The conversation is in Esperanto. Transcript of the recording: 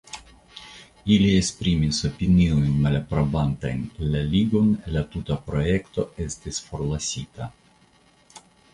Ili esprimis opiniojn malaprobantajn la Ligon, la tuta projekto estis forlasita.